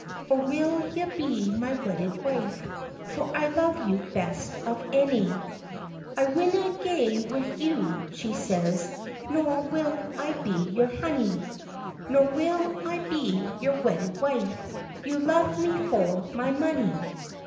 Or will ye be my wedded wife? For I love you best of any." "I winna gae wi' you," she says, "Nor will I be your honey, Nor will I be your wedded wife; You love me for my money."